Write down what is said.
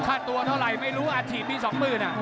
ฆ่าตัวเท่าไหร่ไม่รู้อาชีพมีสองหมื่น